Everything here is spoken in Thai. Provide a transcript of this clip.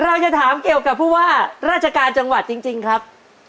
เราจะถามเกี่ยวกับผู้ว่าราชการจังหวัดจริงครับ